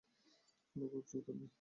ওরা গ্রুপ ছবি তুলবে।